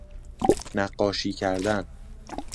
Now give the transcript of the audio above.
نقاشی کردن